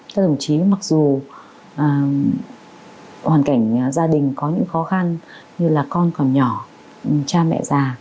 thưa đồng chí mặc dù hoàn cảnh gia đình có những khó khăn như là con còn nhỏ cha mẹ già